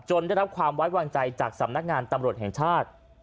ได้รับความไว้วางใจจากสำนักงานตำรวจแห่งชาติ